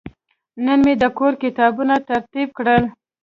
نن مې د کور کتابونه ترتیب کړل.